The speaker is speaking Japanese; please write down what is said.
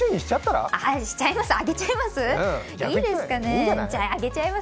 はい、しちゃいます。